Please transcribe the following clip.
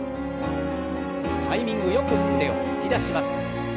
タイミングよく腕を突き出します。